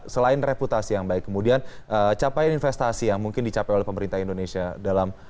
selain reputasi yang baik kemudian capaian investasi yang mungkin dicapai oleh pemerintah indonesia dalam